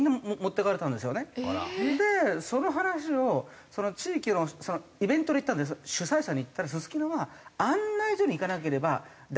でその話を地域のイベントで行ったので主催者に言ったらすすきのは案内所に行かなければ大体やばいと。